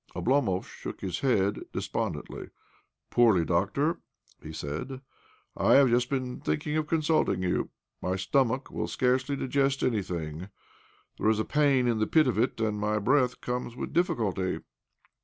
Oblomov shook his head despondently. " Poorly, doctor," he said. " I have just been thinking of consulting you. My, stomach will scarcely digest anything, there is a pain in the pit of it, and my breath comes with difficulty."